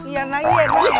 ian lagi ya